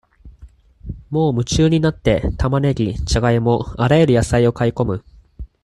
もう夢中になって、玉ねぎ、じゃがいも、あらゆる野菜を買い込む。